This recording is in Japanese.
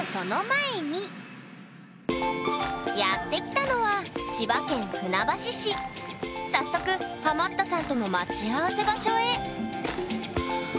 やって来たのは早速ハマったさんとの待ち合わせ場所へええ！